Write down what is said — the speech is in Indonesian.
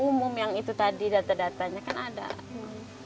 nomor dua bulan setengah baru selesai bpjs operasi